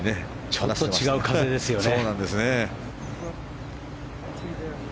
ちょっと違う風ですよね。